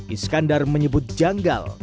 iskandar menyebut janggal